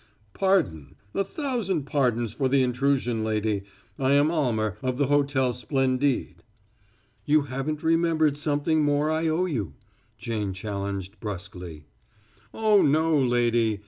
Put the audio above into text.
"Pardon a thousand pardons for the intrusion, lady. I am Almer, of the Hotel Splendide." "You haven't remembered something more I owe you," Jane challenged bruskly. "Oh, no, lady!"